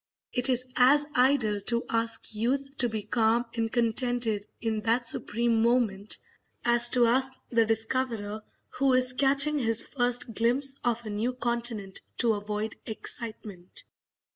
It is as idle to ask youth to be calm and contented in that supreme moment as to ask the discoverer who is catching his first glimpse of a new continent to avoid excitement.